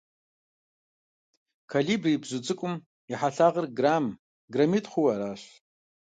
Колибри бзу цIыкIум и хьэлъагъыр грамм-граммитI хъууэ аращ.